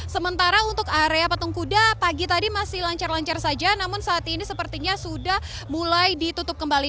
sementara untuk area patung kuda pagi tadi masih lancar lancar saja namun saat ini sepertinya sudah mulai ditutup kembali